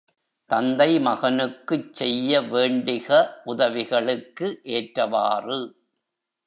தந்தை மகனுக்குச் செய்ய வேண்டிக உதவிகளுக்கு ஏற்றவாறு.